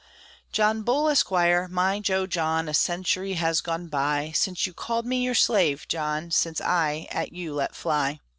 John Bull, Esquire, my jo John, A century has gone by, Since you called me your slave, John, Since I at you let fly.